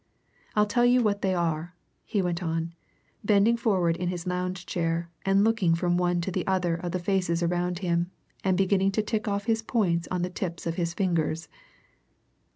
I'll tell you what they are," he went on bending forward in his lounge chair and looking from one to the other of the faces around him and beginning to tick off his points on the tips of his fingers.